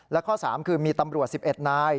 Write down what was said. และข้อ๓คือมีตำรวจ๑๑นาย